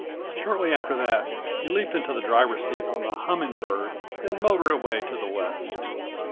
Shortly after that he leaped into the driver's seat on the Humming Bird and motored away to the west.